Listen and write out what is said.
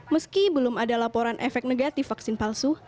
meski belum ada laporan efek negatif vaksin palsu